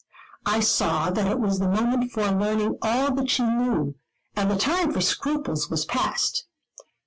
I saw that it was the moment for learning all that she knew; and the time for scruples was past.